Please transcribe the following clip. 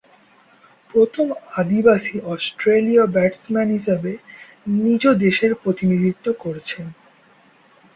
প্রথম আদিবাসী অস্ট্রেলীয় ব্যাটসম্যান হিসেবে নিজ দেশের প্রতিনিধিত্ব করছেন।